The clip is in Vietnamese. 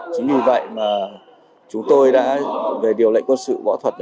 chính vì vậy mà chúng tôi đã về điều lệnh quân sự võ thuật